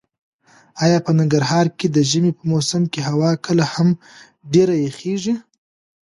ایا په ننګرهار کې د ژمي په موسم کې هوا کله هم ډېره یخیږي؟